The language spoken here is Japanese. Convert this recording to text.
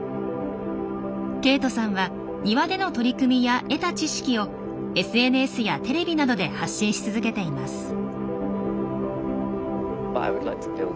ケイトさんは庭での取り組みや得た知識をＳＮＳやテレビなどで発信し続けています。